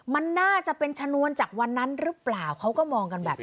มันน่าจะเป็นชนวนจากวันนั้นหรือเปล่าเขาก็มองกันแบบนี้